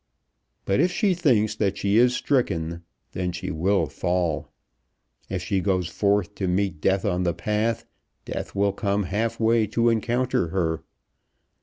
But if she thinks that she is stricken then she will fall. If she goes forth to meet Death on the path, Death will come half way to encounter her.